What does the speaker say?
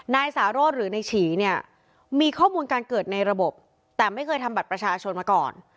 นายสารสหรือนายฉีเนี่ยมีข้อมูลการเกิดในระบบแต่ไม่เคยทำบัตรประชาชนมาก่อน